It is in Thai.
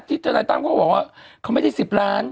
ทนายตั้มก็บอกว่าเขาไม่ได้๑๐ล้าน